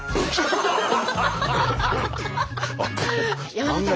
山田さん